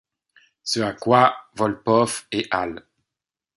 Ce à quoi Wolpoff et al.